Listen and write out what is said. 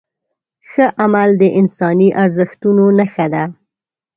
ښه عمل د انساني ارزښتونو نښه ده.